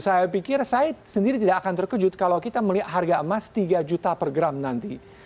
saya pikir saya sendiri tidak akan terkejut kalau kita melihat harga emas tiga juta per gram nanti